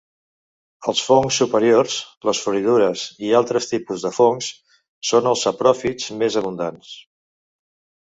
Els fongs superiors, les floridures i altres tipus de fongs, són els sapròfits més abundants.